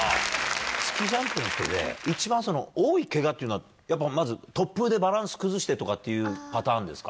スキージャンプの人で一番多いケガっていうのはやっぱまず。っていうパターンですか？